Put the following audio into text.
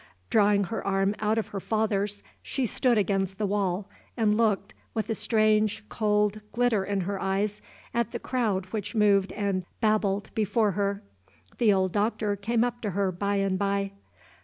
Drawing her arm out of her father's, she stood against the wall, and looked, with a strange, cold glitter in her eyes, at the crowd which moved and babbled before her. The old Doctor came up to her by and by.